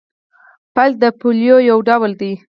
فلج د پولیو یو ډول دی.